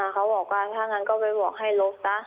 เขาบอกว่าถ้างั้นก็ไปบอกให้ลบซะ